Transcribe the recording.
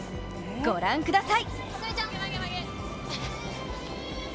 ご覧ください。